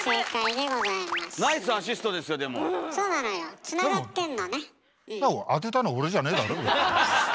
でも当てたの俺じゃねえだろ。